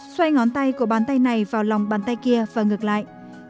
xoay ngón tay của bàn tay này vào lòng bàn tay kia và ngược lại